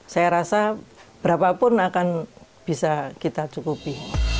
saya rasa berapapun akan bisa kita cukupi